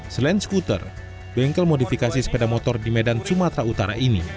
selain skuter bengkel modifikasi sepeda motor di medan sumatera utara ini